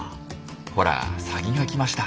ほらサギが来ました。